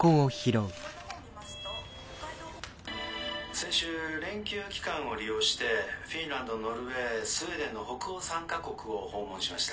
「先週連休期間を利用してフィンランドノルウェースウェーデンの北欧３か国を訪問しました。